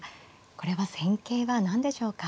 これは戦型は何でしょうか。